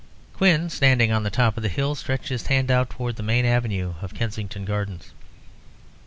Quin, standing on the top of the hill, stretched his hand out towards the main avenue of Kensington Gardens.